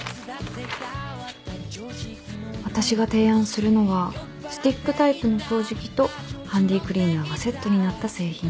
「私が提案するのはスティックタイプの掃除機とハンディークリーナーがセットになった製品です」